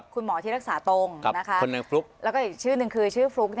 คุณหมอที่รักษาตรงแล้วก็อีกชื่อหนึ่งคือฟลุ๊ก